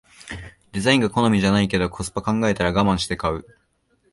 デザインが好みじゃないけどコスパ考えたらガマンして買う